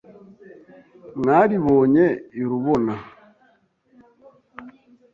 Mwaribonye i Rubona